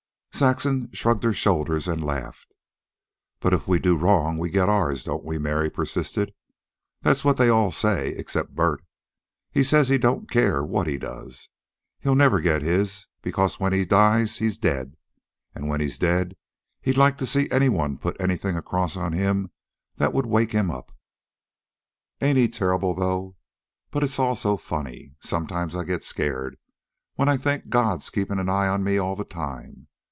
Saxon shrugged her shoulders and laughed. "But if we do wrong we get ours, don't we?" Mary persisted. "That's what they all say, except Bert. He says he don't care what he does, he'll never get his, because when he dies he's dead, an' when he's dead he'd like to see any one put anything across on him that'd wake him up. Ain't he terrible, though? But it's all so funny. Sometimes I get scared when I think God's keepin' an eye on me all the time.